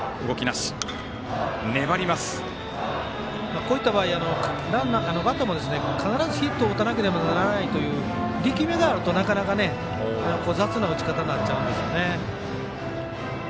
こういった場合バッターも必ず、ヒットを打たなければならないという力みがあると、なかなか雑な打ち方になっちゃうんですね。